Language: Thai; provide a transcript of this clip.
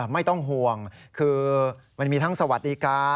ไม่ต้องห่วงคือมันมีทั้งสวัสดิการ